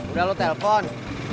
udah lo telpon